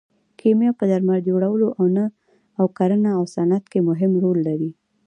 کیمیا په درمل جوړولو او کرنه او صنعت کې مهم رول لري.